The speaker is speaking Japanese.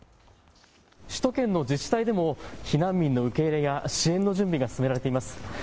首都圏の自治体でも避難民の受け入れや支援の準備が進められています。